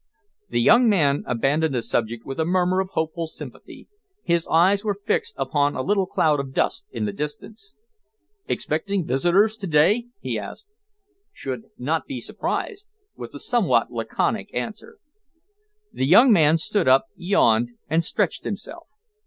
The young man abandoned the subject with a murmur of hopeful sympathy. His eyes were fixed upon a little cloud of dust in the distance. "Expecting visitors to day?" he asked. "Should not be surprised," was the somewhat laconic answer. The young man stood up, yawned and stretched himself.